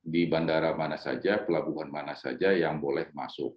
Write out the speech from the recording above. di bandara mana saja pelabuhan mana saja yang boleh masuk